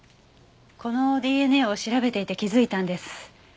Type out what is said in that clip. このＤＮＡを調べていて気づいたんです。